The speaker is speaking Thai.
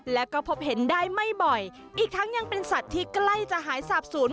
และก็พบเห็นได้ไม่บ่อยอีกทั้งยังเป็นสัตว์ที่ใกล้จะหายสาบศูนย์